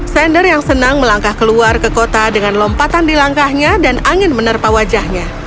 sander yang senang melangkah keluar ke kota dengan lompatan di langkahnya dan angin menerpa wajahnya